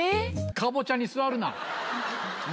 カボチャに座るな。